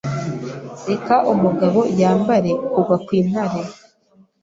Reka umugabo yambare kugwa kwintare